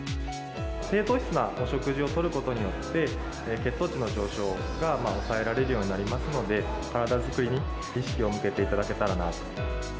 低糖質なお食事をとることによって、血糖値の上昇が抑えられるようになりますので、体作りに意識を向けていただけたらなと。